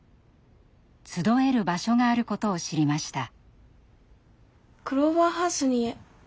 集える場所があることを知りました。